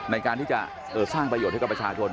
ในการที่จะสร้างประโยชน์ให้กับประชาชน